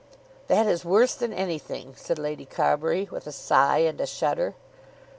"That is worse than anything," said Lady Carbury with a sigh and a shudder.